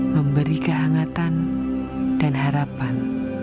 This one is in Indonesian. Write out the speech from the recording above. memberi kehangatan dan harapan